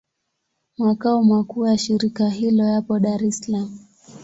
Makao makuu ya shirika hilo yapo Dar es Salaam.